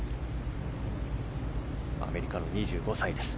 アメリカの２５歳です。